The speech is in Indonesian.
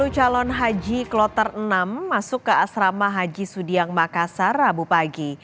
dua puluh calon haji kloter enam masuk ke asrama haji sudiang makassar rabu pagi